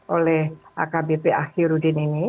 oleh akbp ahirudin ini